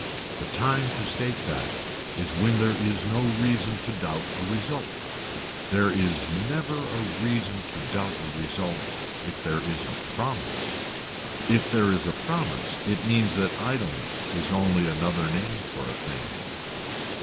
The time to state that is when there is no reason to doubt a result. There never is a reason to doubt a result if there is a promise. If there is a promise it means that idleness is only another name for a thing.